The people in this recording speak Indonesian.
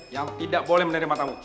yang tidak boleh menerima tamu